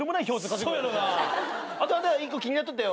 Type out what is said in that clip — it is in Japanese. あとあんた一個気になっとった。